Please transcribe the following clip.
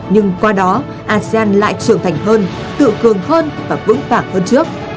nhưng qua đó asean lại trưởng thành hơn tự cường hơn và vững vàng hơn trước